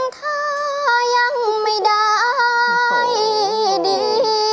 ธาร์ยังไม่ได้ดี